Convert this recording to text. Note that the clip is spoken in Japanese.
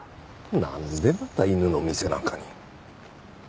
なんでまた犬の店なんかに。